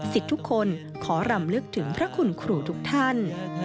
ทุกคนขอรำลึกถึงพระคุณครูทุกท่าน